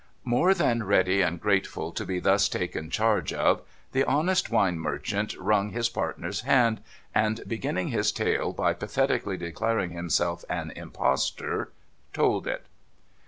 More than ready and grateful to be thus taken charge of, the honest wine merchant wrung his partner's hand, and, beginning his tale by pathetically declaring himself an Impostor, told it.